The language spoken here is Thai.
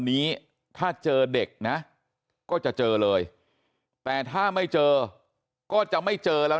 นี้ถ้าเจอเด็กนะก็จะเจอเลยแต่ถ้าไม่เจอก็จะไม่เจอแล้ว